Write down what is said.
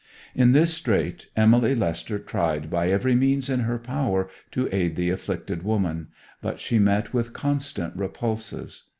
In this strait Emily Lester tried by every means in her power to aid the afflicted woman; but she met with constant repulses.